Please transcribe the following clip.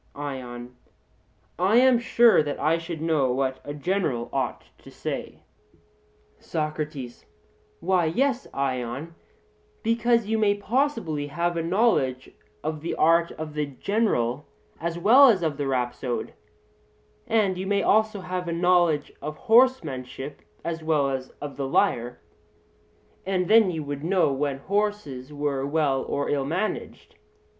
ION: I am sure that I should know what a general ought to say. SOCRATES: Why, yes, Ion, because you may possibly have a knowledge of the art of the general as well as of the rhapsode; and you may also have a knowledge of horsemanship as well as of the lyre: and then you would know when horses were well or ill managed.